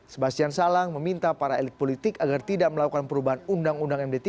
sebastian salang meminta para elit politik agar tidak melakukan perubahan undang undang md tiga